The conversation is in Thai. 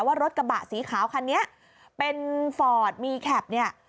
ว่ารถกระบะสีขาวคันนี้เป็นฟอร์ดมีแคปเนี่ย